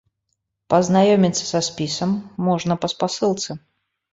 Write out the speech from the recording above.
Пазнаёміцца са спісам можна па спасылцы.